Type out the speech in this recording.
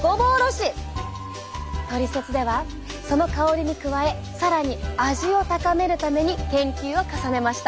トリセツではその香りに加え更に味を高めるために研究を重ねました。